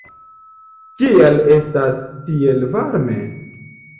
Kial estas tiel varme?